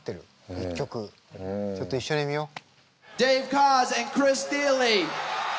ちょっと一緒に見よう。